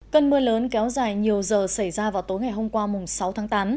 cơn mưa lớn kéo dài nhiều giờ xảy ra vào tối ngày hôm qua sáu tháng tám